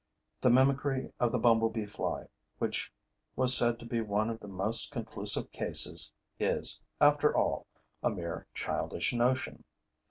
The mimicry of the bumblebee fly, which was said to be one of the most conclusive cases, is, after all, a mere childish notion.